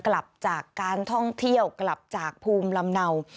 กลับจากการท่องเที่ยวกลับจากภูมิลำเนา